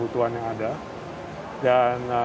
untuk menjaga kemampuan dan kemampuan